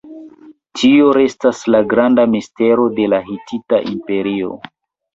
Tio restas la granda mistero de la Hitita Imperio.